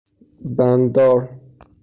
بنددار